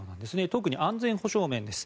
特に安全保障面です。